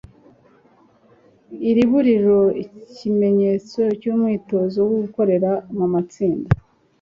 Iriburiro Ikimenyetso cy'umwitozo wo gukorera mu matsinda.